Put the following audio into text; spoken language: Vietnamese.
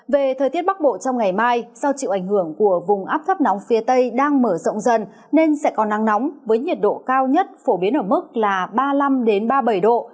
về thời tiết bắc bộ trong ngày mai do chịu ảnh hưởng của vùng áp thấp nóng phía tây đang mở rộng dần nên sẽ có nắng nóng với nhiệt độ cao nhất phổ biến ở mức ba mươi năm ba mươi bảy độ